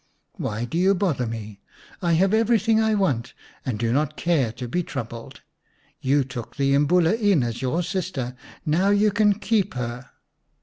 " Why do you bother me ? I have everything I want and do not care to be troubled. You took the Imbula in as your sister ; now you can keep her."